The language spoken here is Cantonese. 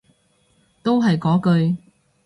都係嗰句